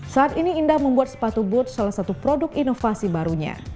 saat ini indah membuat sepatu booth salah satu produk inovasi barunya